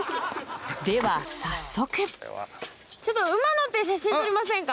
では早速ちょっと馬乗って写真撮りませんか？